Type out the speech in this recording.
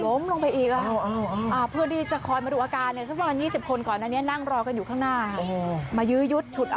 เหมือนสาวก็บอกว่าชนวนเหตุนี่มาจากน์เอ่อกลุ่ม